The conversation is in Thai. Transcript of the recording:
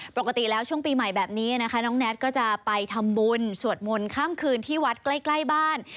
ปกติแล้วช่วงปีใหม่แบบนี้นะคะน้องแน็ตก็จะไปทำบุญสวดมนต์ข้ามคืนที่วัดใกล้บ้าน